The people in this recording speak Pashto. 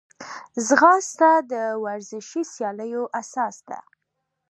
ځغاسته د ورزشي سیالیو اساس ده